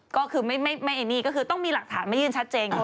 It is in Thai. ก็คือไม่นี่ต้องมีหลักฐานมายืนชัดเจน